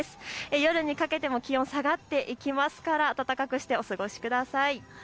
夜にかけても気温が下がっていきますから暖かくしてお過ごしください。